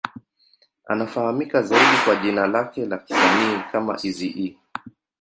Anafahamika zaidi kwa jina lake la kisanii kama Eazy-E.